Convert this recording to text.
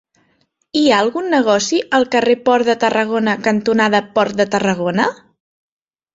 Hi ha algun negoci al carrer Port de Tarragona cantonada Port de Tarragona?